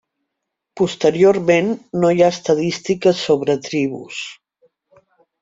Posteriorment no hi ha estadístiques sobre tribus.